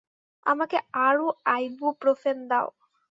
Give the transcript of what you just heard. আমাকে আরো আইবুপ্রোফেন দাও।